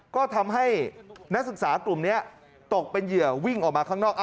ก็ทำให้นักศึกษากลุ่มนี้ตกเป็นเหยื่อวิ่งออกมาข้างนอก